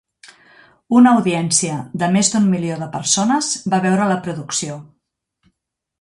Una audiència de més d'un milió de persones va veure la producció.